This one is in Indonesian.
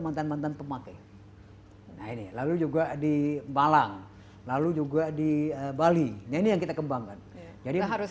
mantan mantan pemakai nah ini lalu juga di balang lalu juga di bali nah ini yang kita kembangkan jadi harus